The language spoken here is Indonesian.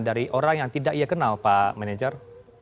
dari orang yang tidak ia kenal pak manajer